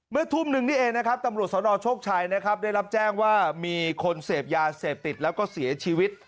ทุ่มหนึ่งนี่เองนะครับตำรวจสนโชคชัยนะครับได้รับแจ้งว่ามีคนเสพยาเสพติดแล้วก็เสียชีวิต